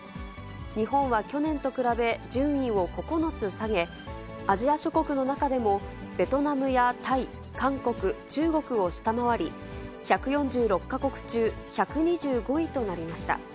日本は去年と比べ順位を９つ下げ、アジア諸国の中でもベトナムやタイ、韓国、中国を下回り、１４６か国中１２５位となりました。